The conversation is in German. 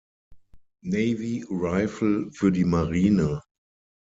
Navy Rifle für die Marine.